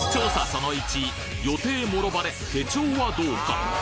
その①予定もろバレ手帳はどうか？